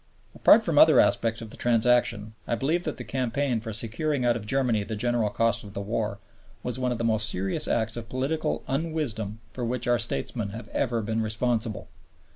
Apart from other aspects of the transaction, I believe that the campaign for securing out of Germany the general costs of the war was one of the most serious acts of political unwisdom for which our statesmen have ever been responsible.